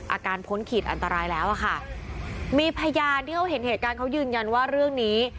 พ้นขีดอันตรายแล้วอะค่ะมีพยานที่เขาเห็นเหตุการณ์เขายืนยันว่าเรื่องนี้